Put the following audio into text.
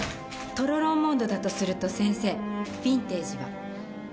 「トロロン・モンド」だとすると先生ヴィンテージは？